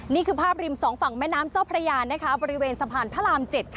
นี่คือภาพริมสองฝั่งแม่น้ำเจ้าพระยาบริเวณสะพานพระราม๗